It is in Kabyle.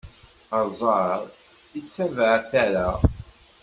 Aẓar ittabaɛ tara.